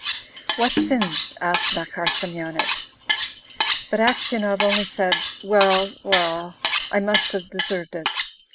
"What sins?" asked Makar Semyonich. But Aksionov only said, "Well, well I must have deserved it!"